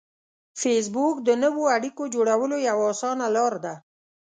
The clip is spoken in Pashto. فېسبوک د نوو اړیکو جوړولو یوه اسانه لار ده